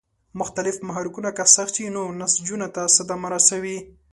مختلف محرکونه که سخت شي نو نسجونو ته صدمه رسوي.